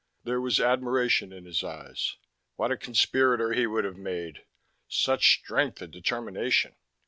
There was admiration in his eyes. "What a conspirator he would have made! Such strength and determination!